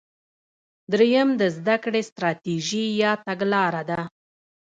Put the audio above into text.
دریم د زده کړې ستراتیژي یا تګلاره ده.